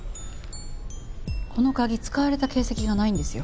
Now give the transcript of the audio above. この鍵使われた形跡がないんですよ。